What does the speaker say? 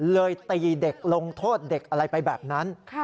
ตีเด็กลงโทษเด็กอะไรไปแบบนั้น